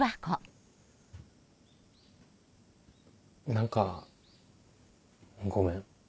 何かごめん。